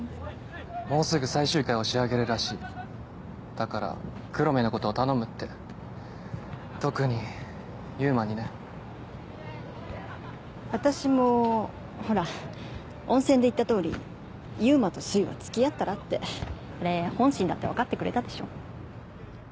もうすぐ最終回を仕上げるらしいだから黒目のことを頼むって特に悠馬にね私もほら温泉で言ったとおり悠馬とすいはつきあったらってあれ本心だってわかってくれたでしょ？